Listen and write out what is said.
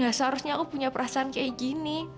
gak seharusnya aku punya perasaan kayak gini